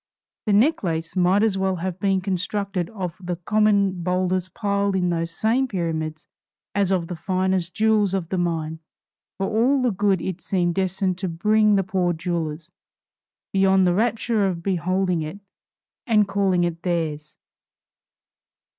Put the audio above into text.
the necklace might as well have been constructed of the common boulders piled in those same pyramids as of the finest jewels of the mine, for all the good it seemed destined to bring the poor jewelers, beyond the rapture of beholding it and calling it theirs.